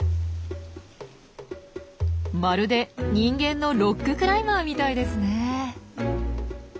まるで人間のロッククライマーみたいですね。